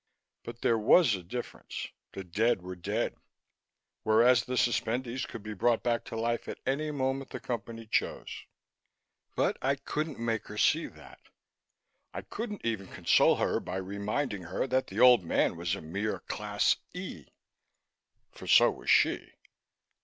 But there was a difference: The dead were dead, whereas the suspendees could be brought back to life at any moment the Company chose. But I couldn't make her see that. I couldn't even console her by reminding her that the old man was a mere Class E. For so was she.